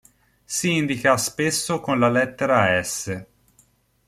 Si indica spesso con la lettera "s".